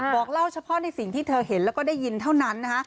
บอกเล่าเฉพาะในสิ่งที่เธอเห็นแล้วก็ได้ยินเท่านั้นนะฮะ